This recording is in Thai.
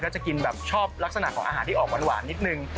จะกินแบบชอบลักษณะของอาหารที่ออกหวานนิดนึง